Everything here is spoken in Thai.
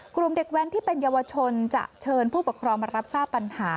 กลุ่มเด็กแว้นที่เป็นเยาวชนจะเชิญผู้ปกครองมารับทราบปัญหา